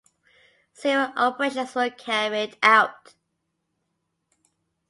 Several operations were carried out.